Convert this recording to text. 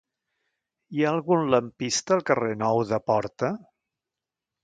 Hi ha algun lampista al carrer Nou de Porta?